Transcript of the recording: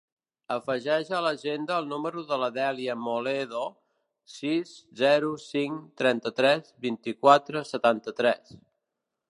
Afegeix a l'agenda el número de la Dèlia Moledo: sis, zero, cinc, trenta-tres, vint-i-quatre, setanta-tres.